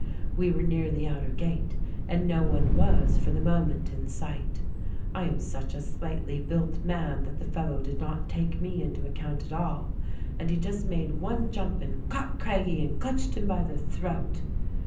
"We were near the outer gate and no one was, for the moment, in sight. I am such a slightly built man that the fellow did not take me into account at all, and he just made one jump and caught Craggie, and clutched him by the throat.